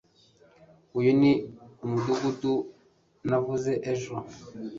uyu ni umudamu navuze ejo